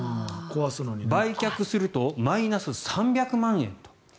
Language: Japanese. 売却するとマイナス３００万円と。